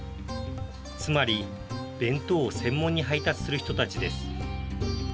つまり、弁当を専門に配達する人たちです。